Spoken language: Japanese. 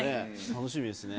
楽しみですね。